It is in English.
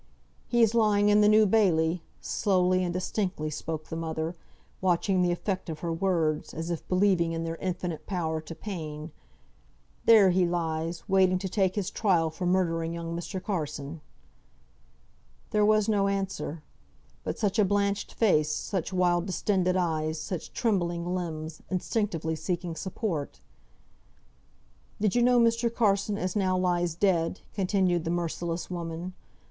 "He's lying in th' New Bailey," slowly and distinctly spoke the mother, watching the effect of her words, as if believing in their infinite power to pain. "There he lies, waiting to take his trial for murdering young Mr. Carson." There was no answer; but such a blanched face, such wild, distended eyes, such trembling limbs, instinctively seeking support! "Did you know Mr. Carson as now lies dead?" continued the merciless woman.